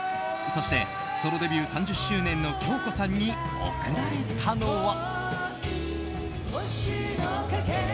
そして、ソロデビュー３０周年の杏子さんに送られたのは。